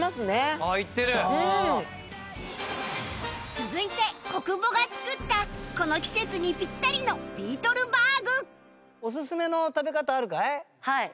続いて小久保が作ったこの季節にピッタリのビートルバーグ大人！